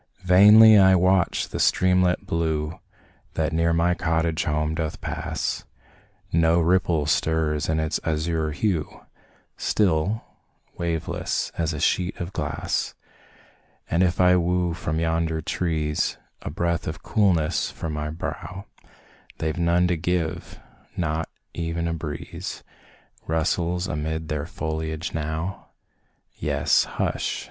Vainly I watch the streamlet blue That near my cottage home doth pass, No ripple stirs its azure hue, Still waveless, as a sheet of glass And if I woo from yonder trees A breath of coolness for my brow, They've none to give not e'en a breeze Rustles amid their foliage now; Yes, hush!